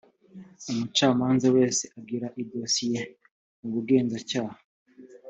umucamanza wese agira idosiye mu bugenzacyaha